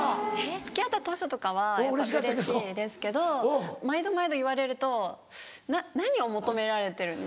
付き合った当初とかはやっぱうれしいですけど毎度毎度言われると何を求められてるの？